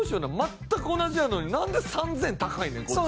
全く同じやのになんで３０００円高いねんこっちみたいな。